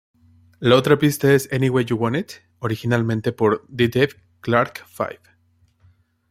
La otra pista es "Anyway You Want It", originalmente por The Dave Clark Five.